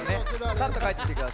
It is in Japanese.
さっとかえってきてください。